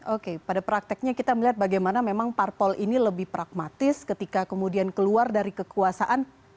oke pada prakteknya kita melihat bagaimana memang parpol ini lebih pragmatis ketika kemudian keluar dari kekuasaan